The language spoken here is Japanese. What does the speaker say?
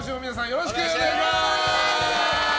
よろしくお願いします！